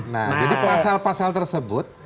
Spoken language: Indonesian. nah jadi pasal pasal tersebut